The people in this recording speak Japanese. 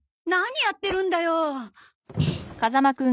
何やってるんだよ。